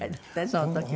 その時は。